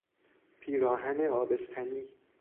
پیراهن آبستنی